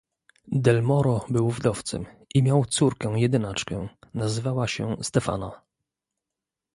"Del Moro był wdowcem i miał córkę jedynaczkę, nazywała się Stefana."